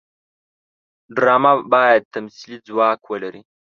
ډرامه باید تمثیلي ځواک ولري